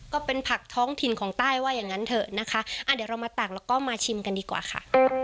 ก็เป็นผักท้องถิ่นของใต้ว่าอย่างนั้นเถอะนะคะเดี๋ยวเรามาตักแล้วก็มาชิมกันดีกว่าค่ะ